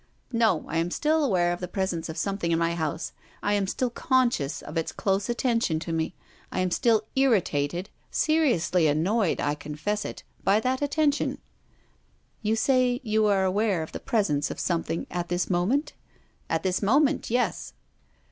" No. I am still aware of the presence of something in my house. I am still conscious of its close attention to me. I am still irritated, seriously annoyed — I confess it, — by that atten tion." PROFESSOR GUILDEA. 293 "You say you are aware of the presence of something at this moment?" " At this moment — yes."